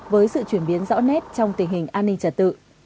với sự chuyển biến rõ nét trong tình hình an ninh trật tự